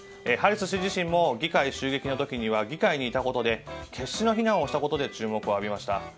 ハリス氏自身も議会襲撃の時には議会にいたことで決死の避難をしたことで注目を浴びました。